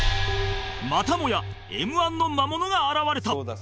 またもや Ｍ−１ の魔物が現れた